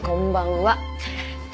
はい。